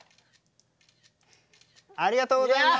ありがとうございます！